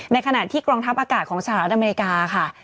ในขณะที่กองทัพอากาศของสหรัฐอเมริกาค่ะ